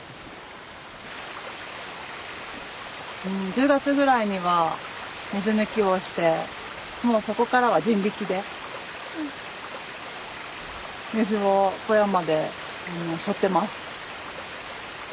１０月ぐらいには水抜きをしてもうそこからは人力で水を小屋までしょってます。